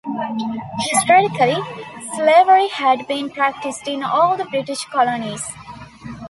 Historically, slavery had been practiced in all the British colonies.